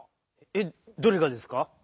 えっどれがですか？